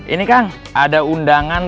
ini kang ada undangan